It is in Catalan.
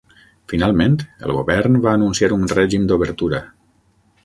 Finalment, el govern va anunciar un règim d'obertura.